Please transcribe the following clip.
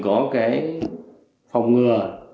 có cái phòng ngừa